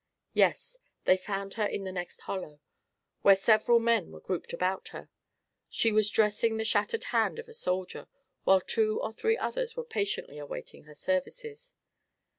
Yes; they found her in the next hollow, where several men were grouped about her. She was dressing the shattered hand of a soldier, while two or three others were patiently awaiting her services.